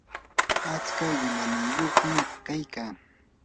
atska qilayniyuqmi kaykaa